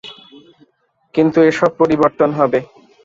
কিন্তু এসব পরিবর্তন হবে।